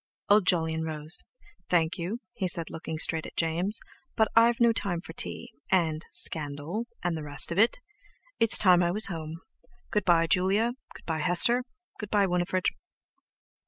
Old Jolyon rose: "Thank you," he said, looking straight at James, "but I've no time for tea, and—scandal, and the rest of it! It's time I was at home. Good bye, Julia; good bye, Hester; good bye, Winifred."